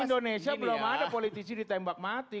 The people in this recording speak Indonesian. karena di indonesia belum ada politisi ditembak mati